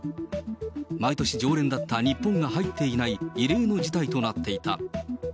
毎年常連だった日本が入っていない異例の事態となっていた。